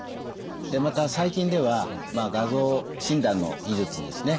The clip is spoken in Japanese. また最近では画像診断の技術ですね